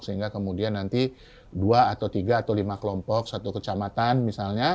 sehingga kemudian nanti dua atau tiga atau lima kelompok satu kecamatan misalnya